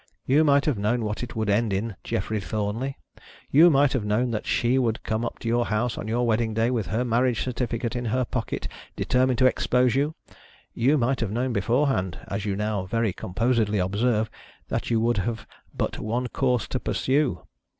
You might have known what it would end in, Geoffrey Thornley ! You might have known that she would come up to your house on your wedding day with her marriage certificate in her pocket determined to expose you. You might have known beforehand, as you now very composedly observe, that you would have " but one course to pursue."